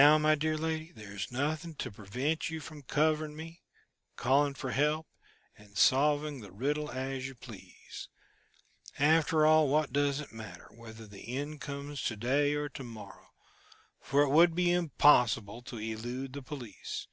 "Now, my dear lady, there's nothing to prevent you from covering me, calling for help, and solving the riddle as you please. After all, what does it matter, whether the end comes to day or to morrow, for it would be impossible to elude the police.